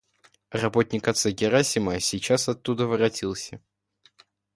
Работник отца Герасима сейчас оттуда воротился.